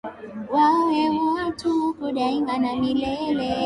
Wawe watu wako daima na milele